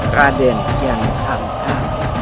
raden kian santan